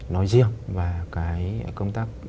nói riêng và cái công tác